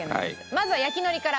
まずは焼き海苔から。